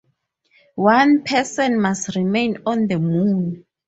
One person must remain on the moon.